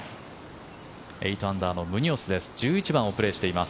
８アンダーのムニョスです。